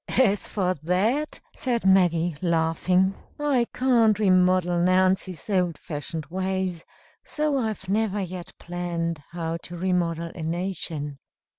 "As for that," said Maggie, laughing, "I can't remodel Nancy's old fashioned ways; so I've never yet planned how to remodel a nation."